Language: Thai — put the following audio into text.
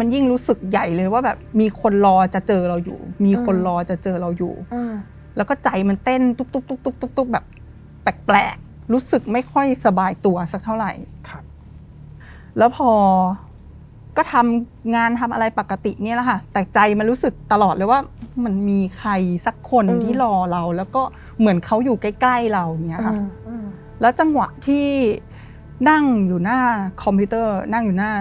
มันยิ่งรู้สึกใหญ่เลยว่าแบบมีคนรอจะเจอเราอยู่มีคนรอจะเจอเราอยู่แล้วก็ใจมันเต้นตุ๊กแบบแปลกรู้สึกไม่ค่อยสบายตัวสักเท่าไหร่ครับแล้วพอก็ทำงานทำอะไรปกติเนี่ยแหละค่ะแต่ใจมันรู้สึกตลอดเลยว่ามันมีใครสักคนที่รอเราแล้วก็เหมือนเขาอยู่ใกล้ใกล้เราอย่างนี้ค่ะแล้วจังหวะที่นั่งอยู่หน้าคอมพิวเตอร์นั่งอยู่หน้า